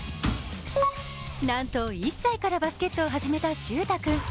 なんと１歳からバスケットを始めた秀太君。